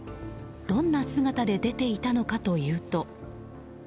どんな姿で出ていたのかというと。